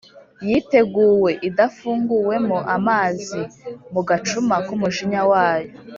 yiteguwe idafunguwemo amazi mu gacuma k’umujinya wayo.